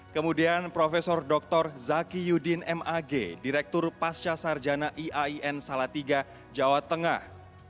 kemudian profesor doktor zaky yudin mag direktur pascasarjana iain salatiga jawa tengah